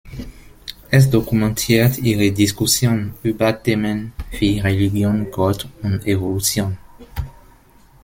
Es dokumentiert ihre Diskussion über Themen wie Religion, Gott und Evolution.